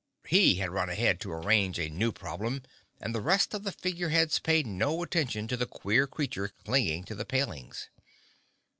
He had run ahead to arrange a new problem and the rest of the Figure Heads paid no attention to the queer creature clinging to the palings.